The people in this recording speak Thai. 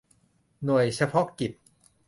หน่วยเฉพาะกิจ